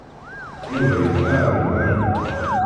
Yuba yelḥa ar Mary.